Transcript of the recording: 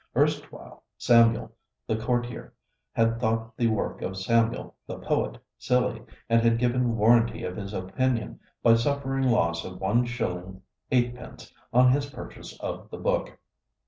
Erstwhile, Samuel the courtier had thought the work of Samuel the poet silly, and had given warranty of his opinion by suffering loss of one shilling eightpence on his purchase of the book.